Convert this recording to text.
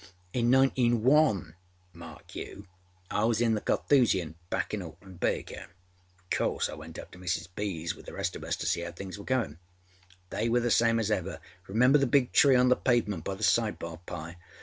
In Nineteen One, mark you, I was in the Carthusian, back in Auckland Bay again. Of course I went up to Mrs. B.âs with the rest of us to see how things were goinâ. They were the same as ever. (Remember the big tree on the pavement by the side bar, Pye?)